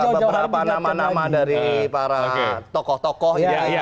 beberapa nama nama dari para tokoh tokoh ini